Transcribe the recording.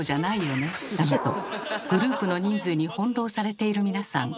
だのとグループの人数に翻弄されている皆さん。